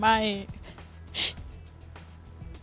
แม่หนูขอโทษนะ